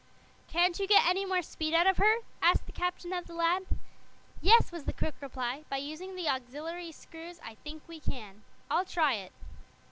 "Can't you get any more speed out of her?" asked the captain of the lad. "Yes," was the quick reply; "by using the auxiliary screws I think we can. I'll try it."